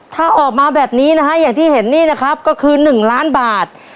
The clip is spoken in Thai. ถ้าออกมาแบบนี้นะฮะอย่างที่เห็นนี่นะครับก็คือ๑ล้านบาท